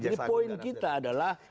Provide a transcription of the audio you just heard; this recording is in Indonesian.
jadi poin kita adalah